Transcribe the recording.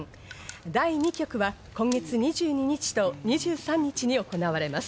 第２局は今月２２日と２３日に行われます。